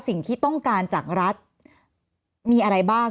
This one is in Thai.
สิ่งที่ต้องการจากรัฐมีอะไรบ้าง